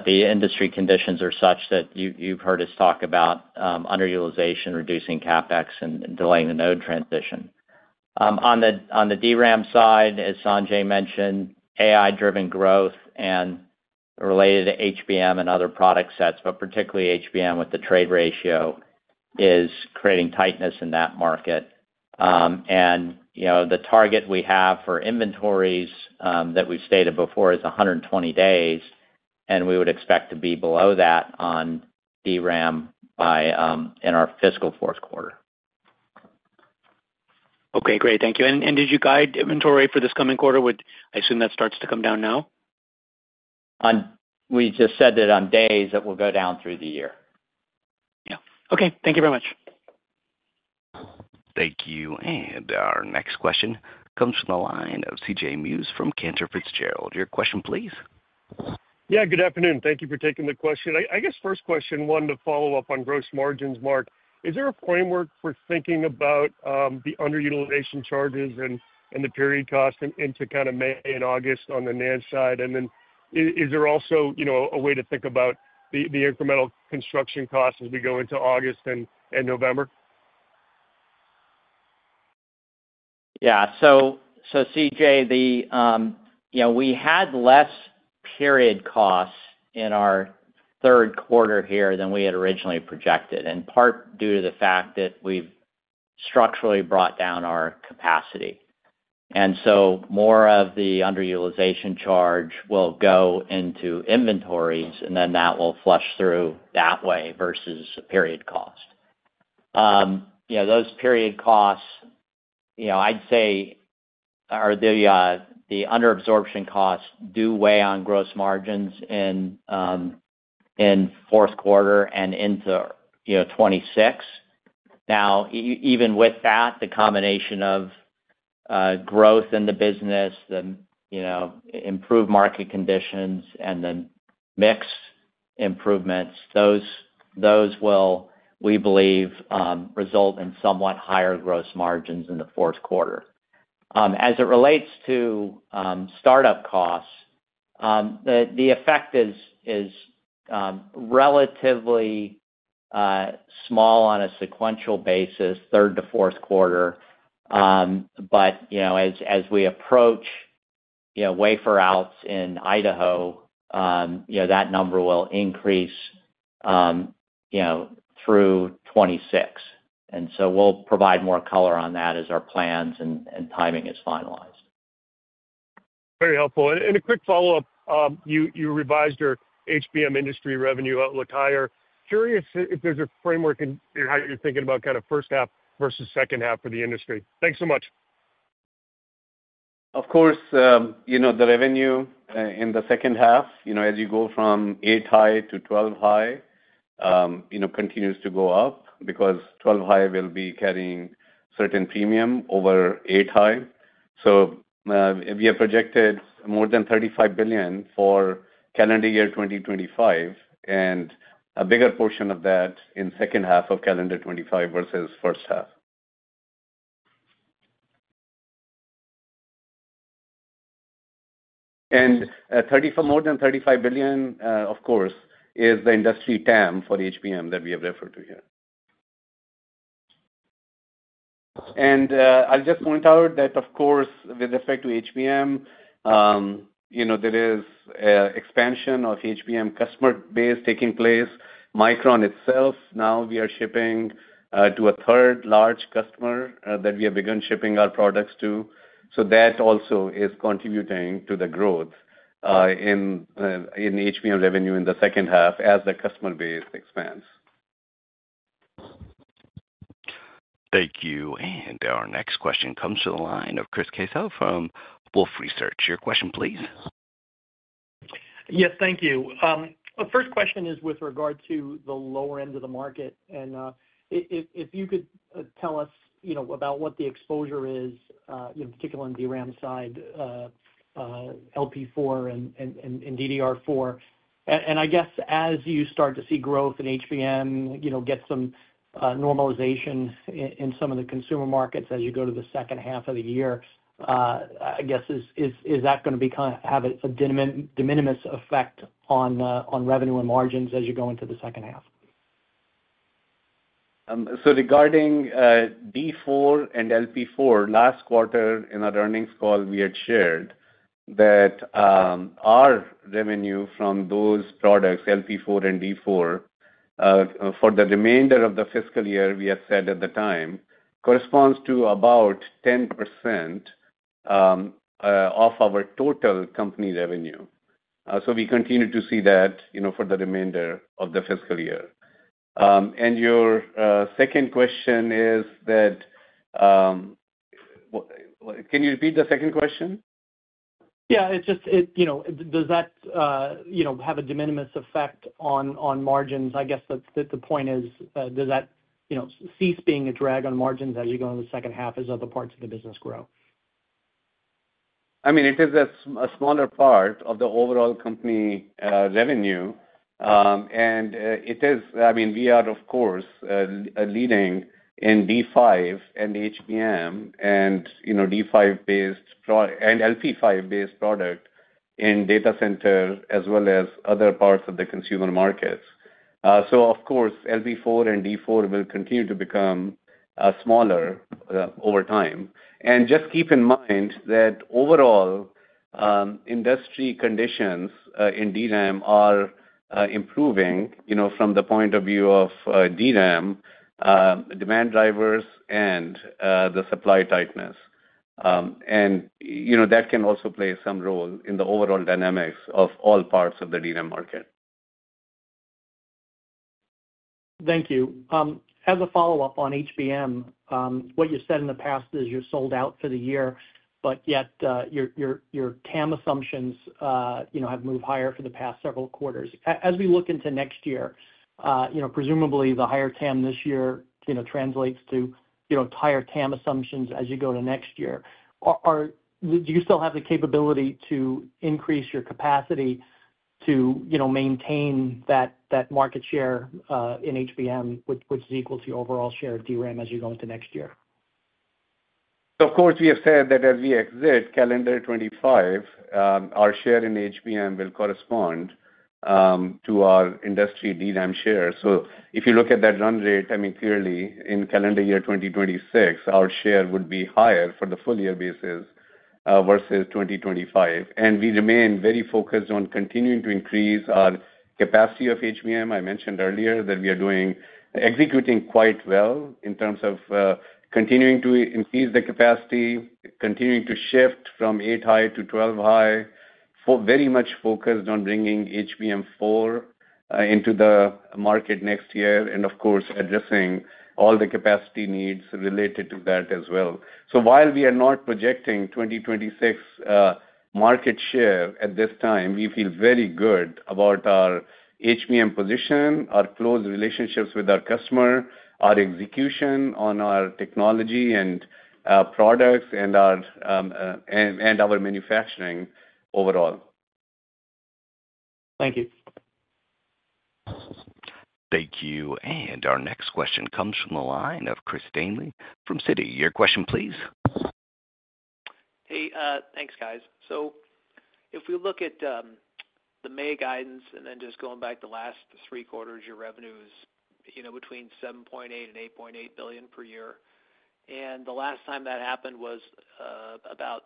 The industry conditions are such that you've heard us talk about underutilization, reducing CapEx, and delaying the node transition. On the DRAM side, as Sanjay mentioned, AI-driven growth and related to HBM and other product sets, but particularly HBM with the trade ratio, is creating tightness in that market. The target we have for inventories that we've stated before is 120 days, and we would expect to be below that on DRAM in our fiscal fourth quarter. Okay. Great. Thank you. Did you guide inventory for this coming quarter? I assume that starts to come down now. We just said that on days that will go down through the year. Yeah. Okay. Thank you very much. Thank you. Our next question comes from the line of CJ Muse from Cantor Fitzgerald. Your question, please. Yeah. Good afternoon. Thank you for taking the question. I guess first question, one to follow up on gross margins, Mark. Is there a framework for thinking about the underutilization charges and the period cost into kind of May and August on the NAND side? Is there also a way to think about the incremental construction costs as we go into August and November? Yeah. CJ, we had less period costs in our third quarter here than we had originally projected, in part due to the fact that we have structurally brought down our capacity. More of the underutilization charge will go into inventories, and that will flush through that way versus period cost. Those period costs, or the underabsorption costs, do weigh on gross margins in fourth quarter and into 2026. Even with that, the combination of growth in the business, the improved market conditions, and the mixed improvements, those will, we believe, result in somewhat higher gross margins in the fourth quarter. As it relates to startup costs, the effect is relatively small on a sequential basis, third to fourth quarter. As we approach wafer outs in Idaho, that number will increase through 2026. We will provide more color on that as our plans and timing are finalized. Very helpful. A quick follow-up. You revised your HBM industry revenue outlook higher. Curious if there is a framework in how you are thinking about first half versus second half for the industry. Thanks so much. Of course, the revenue in the second half, as you go from 8i to 12i, continues to go up because 12i will be carrying a certain premium over 8i. We have projected more than $35 billion for calendar year 2025, and a bigger portion of that in the second half of calendar 2025 versus the first half. More than $35 billion, of course, is the industry TAM for HBM that we have referred to here. I will just point out that, of course, with respect to HBM, there is expansion of HBM customer base taking place. Micron itself, now we are shipping to a third large customer that we have begun shipping our products to. That also is contributing to the growth in HBM revenue in the second half as the customer base expands. Thank you. Our next question comes from the line of Chris Caseau from Wolf Research. Your question, please. Yes, thank you. First question is with regard to the lower end of the market. If you could tell us about what the exposure is, particularly on DRAM side, LP4 and DDR4. I guess as you start to see growth in HBM, get some normalization in some of the consumer markets as you go to the second half of the year, I guess, is that going to have a de minimis effect on revenue and margins as you go into the second half? Regarding D4 and LP4, last quarter in our earnings call, we had shared that our revenue from those products, LP4 and D4, for the remainder of the fiscal year, we had said at the time, corresponds to about 10% of our total company revenue. We continue to see that for the remainder of the fiscal year. Your second question is that can you repeat the second question? Yeah. It's just, does that have a de minimis effect on margins? I guess the point is, does that cease being a drag on margins as you go into the second half as other parts of the business grow? I mean, it is a smaller part of the overall company revenue. I mean, we are, of course, leading in D5 and HBM and LP5-based product in data center as well as other parts of the consumer markets. Of course, LP4 and D4 will continue to become smaller over time. Just keep in mind that overall, industry conditions in DRAM are improving from the point of view of DRAM demand drivers and the supply tightness. That can also play some role in the overall dynamics of all parts of the DRAM market. Thank you. As a follow-up on HBM, what you said in the past is you're sold out for the year, but yet your TAM assumptions have moved higher for the past several quarters. As we look into next year, presumably the higher TAM this year translates to higher TAM assumptions as you go to next year. Do you still have the capability to increase your capacity to maintain that market share in HBM, which is equal to your overall share of DRAM as you go into next year? Of course, we have said that as we exit calendar 2025, our share in HBM will correspond to our industry DRAM share. If you look at that run rate, I mean, clearly, in calendar year 2026, our share would be higher for the full year basis versus 2025. We remain very focused on continuing to increase our capacity of HBM. I mentioned earlier that we are executing quite well in terms of continuing to increase the capacity, continuing to shift from 8i to 12i, very much focused on bringing HBM4 into the market next year, and, of course, addressing all the capacity needs related to that as well. While we are not projecting 2026 market share at this time, we feel very good about our HBM position, our close relationships with our customer, our execution on our technology and products, and our manufacturing overall. Thank you. Thank you. Our next question comes from the line of Chris Stanley from Citi. Your question, please. Hey, thanks, guys. If we look at the May guidance and then just going back the last three quarters, your revenue is between $7.8 billion and $8.8 billion per year. The last time that happened was about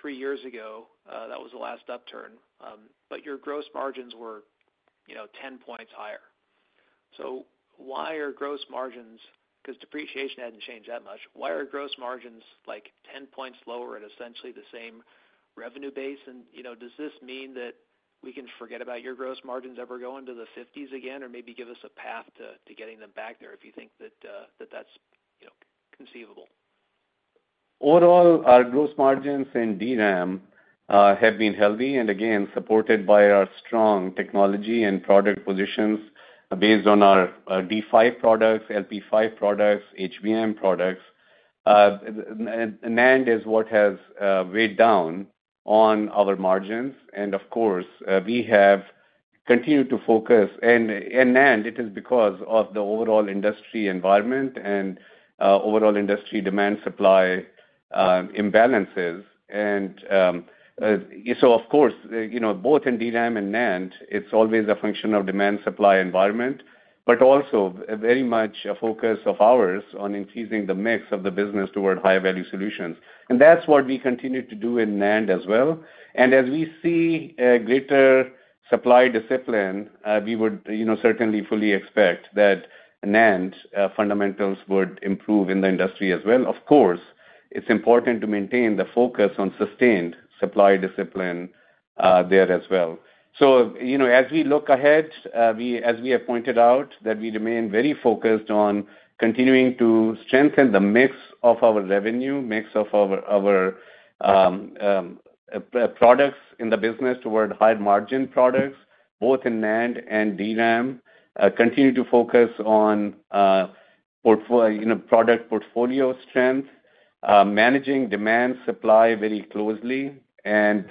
three years ago. That was the last upturn. Your gross margins were 10 points higher. Why are gross margins, because depreciation hasn't changed that much, why are gross margins like 10 points lower at essentially the same revenue base? Does this mean that we can forget about your gross margins ever going to the 50s again or maybe give us a path to getting them back there if you think that that's conceivable? Overall, our gross margins in DRAM have been healthy and, again, supported by our strong technology and product positions based on our D5 products, LP5 products, HBM products. NAND is what has weighed down on our margins. Of course, we have continued to focus. In NAND, it is because of the overall industry environment and overall industry demand-supply imbalances. Of course, both in DRAM and NAND, it's always a function of demand-supply environment, but also very much a focus of ours on increasing the mix of the business toward high-value solutions. That's what we continue to do in NAND as well. As we see greater supply discipline, we would certainly fully expect that NAND fundamentals would improve in the industry as well. Of course, it's important to maintain the focus on sustained supply discipline there as well. As we look ahead, as we have pointed out, we remain very focused on continuing to strengthen the mix of our revenue, mix of our products in the business toward high-margin products, both in NAND and DRAM, continue to focus on product portfolio strength, managing demand-supply very closely, and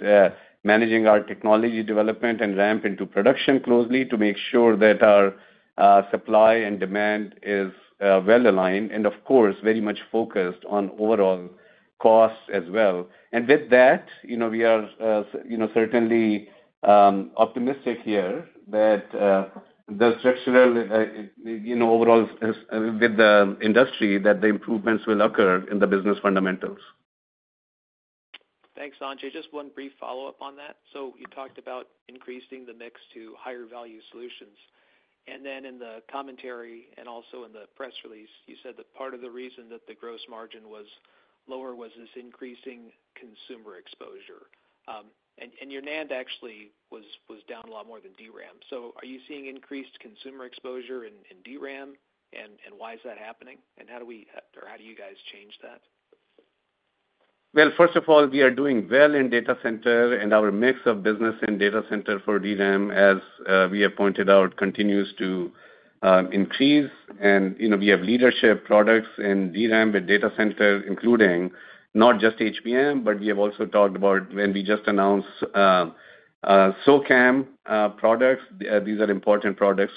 managing our technology development and ramp into production closely to make sure that our supply and demand is well aligned. Of course, very much focused on overall costs as well. With that, we are certainly optimistic here that structurally overall with the industry, the improvements will occur in the business fundamentals. Thanks, Sanjay. Just one brief follow-up on that. You talked about increasing the mix to higher-value solutions. In the commentary and also in the press release, you said that part of the reason that the gross margin was lower was this increasing consumer exposure. Your NAND actually was down a lot more than DRAM. Are you seeing increased consumer exposure in DRAM? Why is that happening? How do we or how do you guys change that? First of all, we are doing well in data center, and our mix of business in data center for DRAM, as we have pointed out, continues to increase. We have leadership products in DRAM and data center, including not just HBM, but we have also talked about when we just announced SoCAM products. These are important products.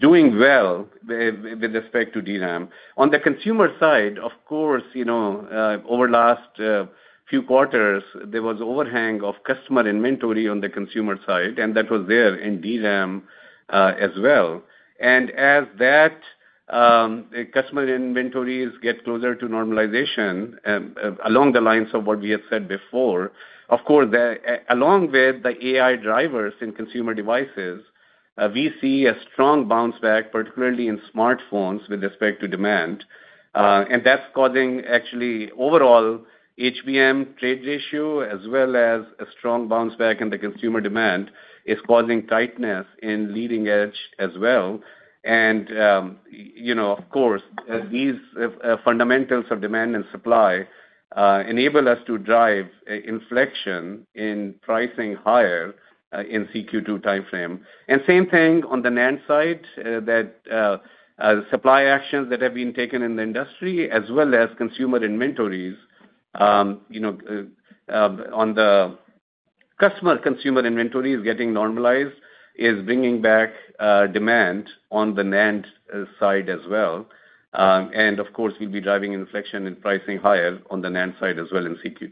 Doing well with respect to DRAM. On the consumer side, of course, over the last few quarters, there was overhang of customer inventory on the consumer side, and that was there in DRAM as well. As that customer inventories get closer to normalization along the lines of what we had said before, of course, along with the AI drivers in consumer devices, we see a strong bounce back, particularly in smartphones with respect to demand. That is causing, actually, overall HBM trade ratio, as well as a strong bounce back in the consumer demand, is causing tightness in leading edge as well. Of course, these fundamentals of demand and supply enable us to drive inflection in pricing higher in CQ2 timeframe. Same thing on the NAND side, that supply actions that have been taken in the industry, as well as customer consumer inventories getting normalized, is bringing back demand on the NAND side as well. Of course, we'll be driving inflection in pricing higher on the NAND side as well in CQ2.